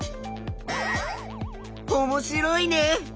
おもしろいね！